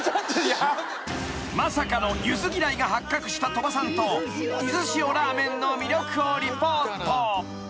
［まさかのゆず嫌いが発覚した鳥羽さんとゆず塩らめんの魅力をリポート］